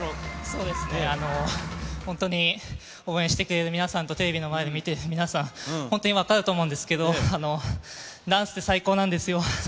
本当に、応援してくれる皆さんと、テレビの前で見ている皆さん、本当に分かると思うんですけど、最高ですよ。